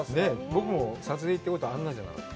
僕も撮影で行ったけど、あんなのじゃなかった。